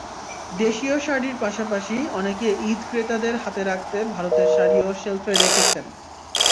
দেশীয় শাড়ির পাশাপাশি অনেকে ঈদ-ক্রেতাদের হাতে রাখতে ভারতের শাড়িও শেলফে রেখেছেন।